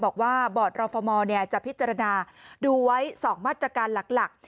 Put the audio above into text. บอกว่าบอร์ดรอฟอร์มอลเนี่ยจะพิจารณาดูไว้๒มาตรการหลัก